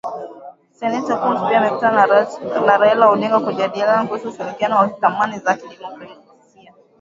Seneta Coons pia amekutana na Raila Odinga kujadiliana kuhusu ushirikiano wa thamini za kidemokrasia